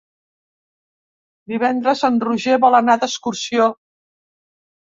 Divendres en Roger vol anar d'excursió.